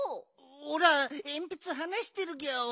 おらえんぴつはなしてるギャオ。